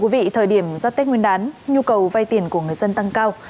thời điểm ra tết nguyên đán nhu cầu vay tiền của người dân tăng cao